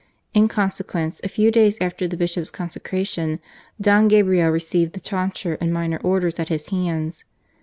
In consequence, a few days after the Bishop's consecration, Don Gabriel received the tonsure and minor Orders at his hands.